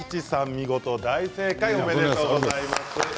見事大正解おめでとうございます。